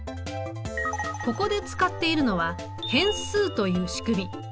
ここで使っているのは変数という仕組み。